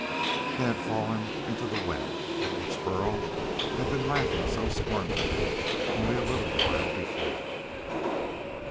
They had fallen into the web at which Burl had been laughing so scornfully only a little while before.